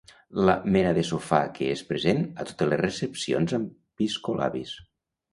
La mena de sofà que és present a totes les recepcions amb piscolabis.